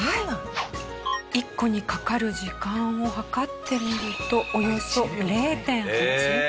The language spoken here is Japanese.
１個にかかる時間を計ってみるとおよそ０．８秒。